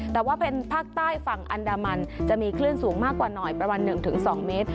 แต่ว่าเป็นภาคใต้ฝั่งอันดามันจะมีคลื่นสูงมากกว่าหน่อยประมาณ๑๒เมตร